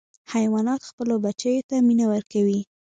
حیوانات خپلو بچیو ته مینه ورکوي.